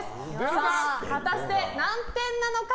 さあ、果たして何点なのか。